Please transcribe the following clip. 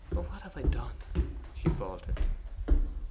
'What have I done?' she faltered.